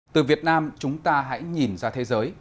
từ việt nam chúng ta hãy nhìn ra thế giới